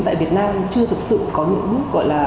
tại việt nam chưa thực sự có những bước